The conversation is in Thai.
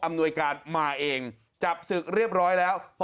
อาวาสมีการฝังมุกอาวาสมีการฝังมุกอาวาสมีการฝังมุก